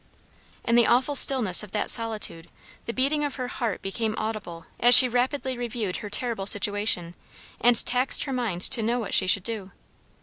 In the awful stillness of that solitude the beating of her heart became audible as she rapidly reviewed her terrible situation, and taxed her mind to know what she should do.